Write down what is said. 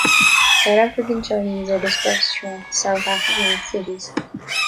South African Chinese are dispersed throughout South African cities.